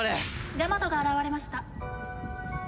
ジャマトが現れました。